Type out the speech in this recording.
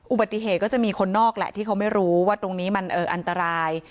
อุบัติเหตุก็จะมีคนนอกแหละที่เขาไม่รู้ว่าตรงนี้มันอันตราย